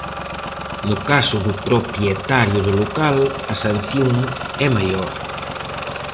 No caso do propietario do local, a sanción é maior.